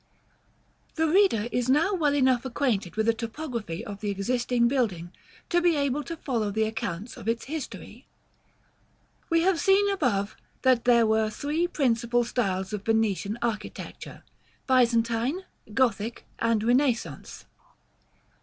§ IX. The reader is now well enough acquainted with the topography of the existing building, to be able to follow the accounts of its history. We have seen above, that there were three principal styles of Venetian architecture; Byzantine, Gothic, and Renaissance.